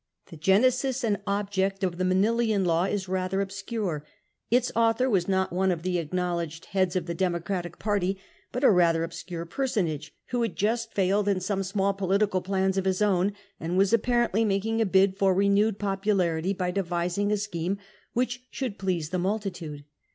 The genesis and object of the Manilian Law is rather obscure: its author was not one of the acknowledged heads of the Democratic party, but a rather obscure personage, who had just failed in some small political plans of his own, and was apparently making a bid for renewed popularity by devising a scheme which should please the multitude.